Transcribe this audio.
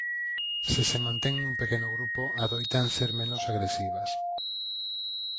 Se se mantén nun pequeno grupo adoitan ser menos agresivas.